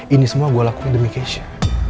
ini semua gue lakuin demi keisha